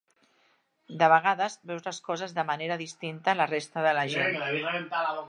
De vegades, veus les coses de manera distinta a la resta de gent.